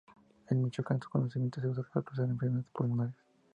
En Michoacán su cocimiento se usa para curar enfermedades pulmonares.